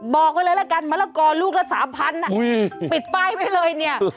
บอกไว้เลยละกันมะละกอลูกละ๓๐๐บาทปิดป้ายไว้เลยเนี่ย